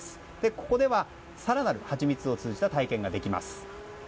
ここでは更なるハチミツを通じた体験ができます。